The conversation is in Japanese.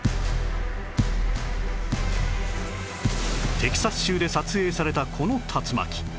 テキサス州で撮影されたこの竜巻